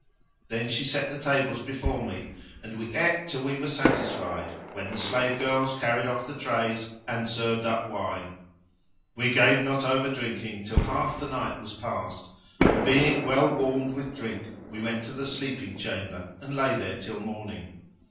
Then she set the tables before me and we ate till we were satisfied, when the slave girls carried off the trays and served up wine. We gave not over drinking till half the night was past; and, being well warmed with drink, we went to the sleeping chamber and lay there till morning.